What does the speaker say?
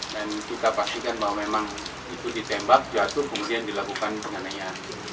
dan kita pastikan bahwa memang itu ditembak jatuh kemudian dilakukan pengananya